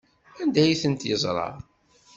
Anda ay tent-yeẓra?